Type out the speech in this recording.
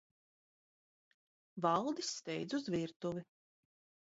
Valdis steidz uz virtuvi.